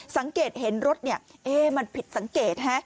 สังเกตเห็นรถมันผิดสังเกต